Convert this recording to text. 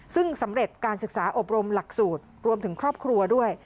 ซึ่งสำเร็จการศึกษาอบรมหลักสูตรรวมถึงครอบครัวด้วย